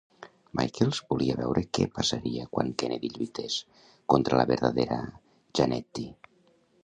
Michaels volia veure què passaria quan Kennedy lluités contra la verdadera Jannetty.